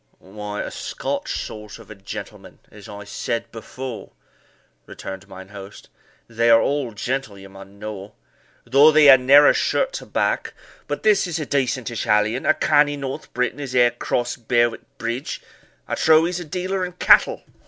"Why, a Scotch sort of a gentleman, as I said before," returned mine host; "they are all gentle, ye mun know, though they ha' narra shirt to back; but this is a decentish hallion a canny North Briton as e'er cross'd Berwick Bridge I trow he's a dealer in cattle."